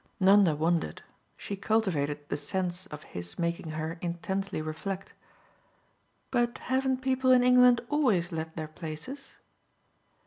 Nanda wondered; she cultivated the sense of his making her intensely reflect, "But haven't people in England always let their places?"